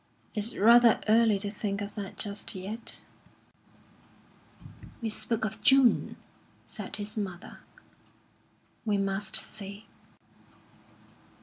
"It's rather early to think of that just yet." "We spoke of June," said his mother. "We must see."